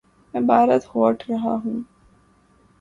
میں بھارت ہوٹ رہا ہوں